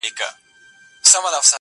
زه د باد په مخ کي شګوفه یمه رژېږمه -